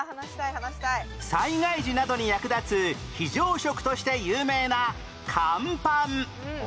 災害時などに役立つ非常食として有名なカンパン